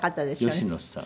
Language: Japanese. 吉野さん。